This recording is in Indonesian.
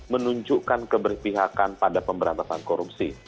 menunjukkan keberpihakan pada pemberantasan korupsi